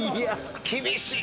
厳しい！